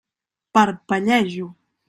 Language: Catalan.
Parpellejo.